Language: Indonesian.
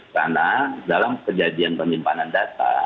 karena dalam kejadian penyimpanan data